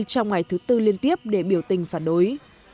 trong ngày thứ tư liên tiếp để biểu tình phản đối